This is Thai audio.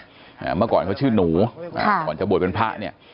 อ่าเมื่อก่อนเขาชื่อหนูอ่าก่อนจะบวชเป็นพระเนี่ย